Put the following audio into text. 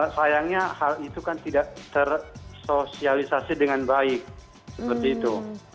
sayangnya hal itu kan tidak tersosialisasi dengan baik seperti itu